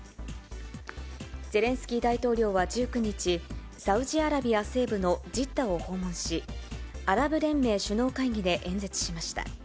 ゼレンスキー大統領は１９日、サウジアラビア西部のジッダを訪問し、アラブ連盟首脳会議で演説しました。